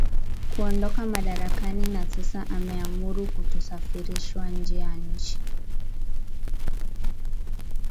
kuondoka madarakani na sasa ameamuru kutosafirishwa nje ya nchi